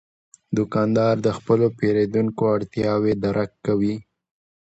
دوکاندار د خپلو پیرودونکو اړتیاوې درک کوي.